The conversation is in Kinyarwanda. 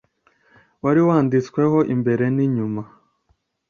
wari wanditsweho imbere n inyuma